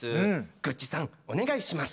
グッチさん、お願いします。